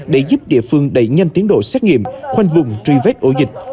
để giúp địa phương đẩy nhanh tiến độ xét nghiệm khoanh vùng truy vết ổ dịch